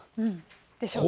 でしょうね。